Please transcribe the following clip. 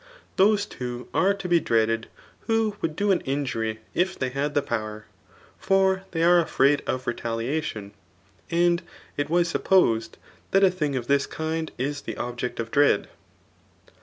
] Those .too are to be drtadtc(tlriio would do an injury if they had.the poii^; for th^ ate afindd of retaliation; and. it was' supposed tbal a tiiiitig of this kmdis the object of diTead.